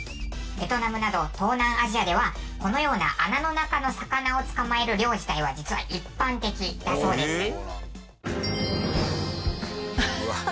ベトナムなど東南アジアではこのような穴の中の魚を捕まえる漁自体は実は一般的だそうです。